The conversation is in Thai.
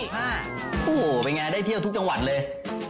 โอ้โหเป็นไงได้เที่ยวทุกจังหวัดเลย